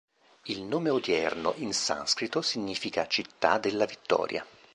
Il nome odierno in sanscrito significa "città della vittoria".